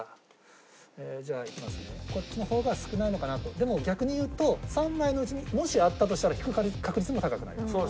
でも逆に言うと３枚のうちにもしあったとしたら引く確率も高くなります。